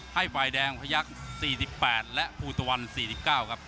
ให้ฝ่ายแดงพยักษ์๔๘และภูตะวัน๔๙ครับ